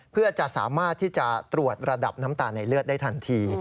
เพื่อจะสามารถที่จะตรวจระดับน้ำตาลในเลือดได้ทันที